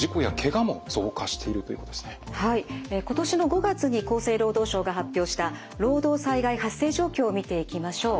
今年の５月に厚生労働省が発表した労働災害発生状況を見ていきましょう。